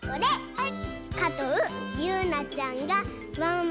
はい。